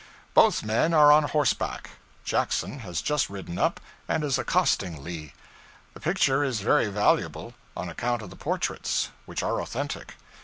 Both men are on horseback. Jackson has just ridden up, and is accosting Lee. The picture is very valuable, on account of the portraits, which are authentic.